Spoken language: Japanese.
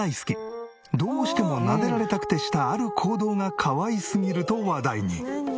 どうしてもなでられたくてしたある行動がかわいすぎると話題に。